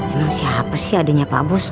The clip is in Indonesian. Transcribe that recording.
emang siapa sih adiknya pak bos